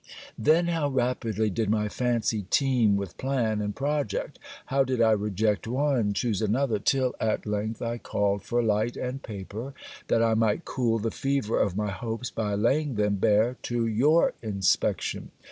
Then, how rapidly did my fancy teem with plan and project! How did I reject one, choose another! Till, at length, I called for light and paper, that I might cool the fever of my hopes, by laying them bare to your inspection.